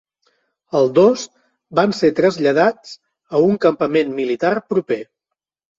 El dos van ser traslladats a un campament militar proper.